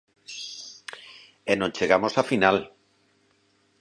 E non chegamos á final.